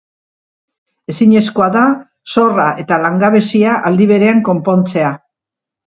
Ezinezkoa da zorra eta langabezia aldi berean konpontzea.